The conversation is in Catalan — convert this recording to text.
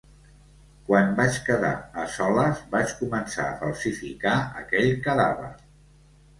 Quan vaig quedar a soles vaig començar a falsificar aquell cadàver.